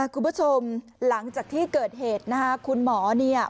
คุณผู้ชมหลังจากที่เกิดเหตุนะคะคุณหมอเนี่ย